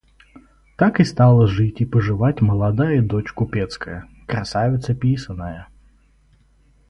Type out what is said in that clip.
Так и стала жить и поживать молодая дочь купецкая, красавица писаная.